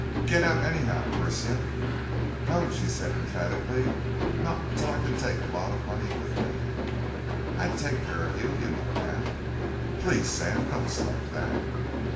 "Get out anyhow, Persia." "No!" she said emphatically. "Not till I can take a lot of money with me." "I'd take care of you. You know that." "Please, Sam. Don't start that."